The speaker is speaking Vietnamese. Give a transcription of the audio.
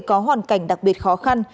có hoàn cảnh đặc biệt khó khăn